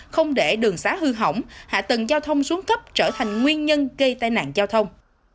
không để đường xá hư hỏng hạ tầng giao thông xuống cấp trở thành nguyên nhân gây tai nạn giao thông